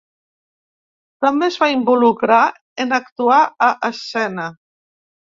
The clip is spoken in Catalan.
També es va involucrar en actuar a escena.